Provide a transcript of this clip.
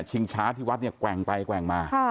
ช้าที่วัดเนี่ยแกว่งไปแกว่งมา